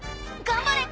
頑張れ！